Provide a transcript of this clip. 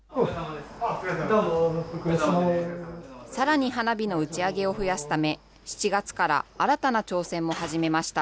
さらに花火の打ち上げを増やすため、７月から新たな挑戦も始めました。